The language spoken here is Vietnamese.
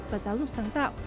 và giáo dục sáng tạo